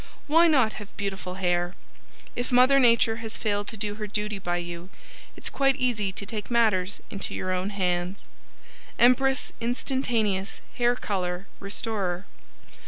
] Why Not Have BEAUTIFUL HAIR If Mother Nature has failed to do her duty by you it's quite easy to take matters into your own hands Empress Instantaneous Hair Color Restorer.